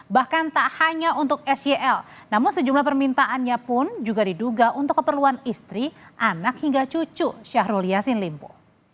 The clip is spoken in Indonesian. bahkan tak hanya untuk syl namun sejumlah permintaannya pun juga diduga untuk keperluan istri anak hingga cucu syahrul yassin limpo